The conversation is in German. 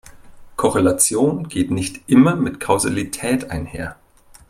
Korrelation geht nicht immer mit Kausalität einher.